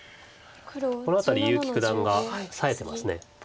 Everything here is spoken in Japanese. この辺り結城九段がさえてます。